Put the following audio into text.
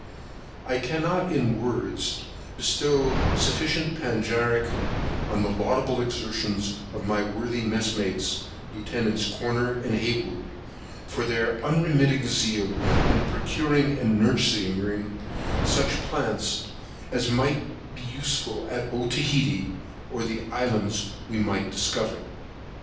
I cannot, in words, bestow sufficient panegyric on the laudable exertions of my worthy messmates, Lieutenants Corner and Hayward, for their unremitting zeal in procuring and nursing such plants as might be useful at Otaheitee or the islands we might discover.